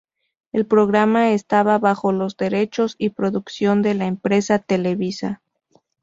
El programa estaba bajo los derechos y producción de la empresa Televisa.